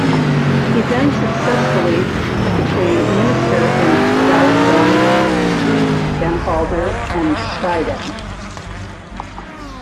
He then successively became minister in Foudgum, Den Helder and Schiedam.